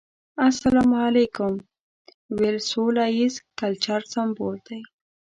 السلام عليکم ويل سوله ييز کلچر سمبول دی.